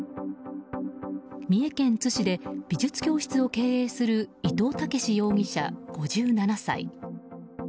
三重県津市で美術教室を経営する伊藤武司容疑者、５７歳。